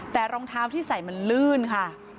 แต่รองเท้าที่ใส่มันลื่นค่ะ